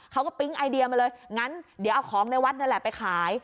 ปิ๊งไอเดียมาเลยงั้นเดี๋ยวเอาของในวัดนั่นแหละไปขาย